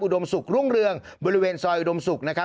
ดมศุกร์รุ่งเรืองบริเวณซอยอุดมศุกร์นะครับ